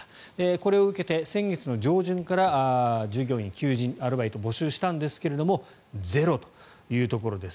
これを受けて先月上旬から従業員、求人アルバイト、募集したんですがゼロというところです。